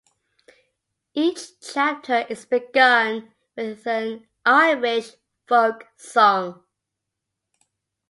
Each chapter is begun with an Irish folk song.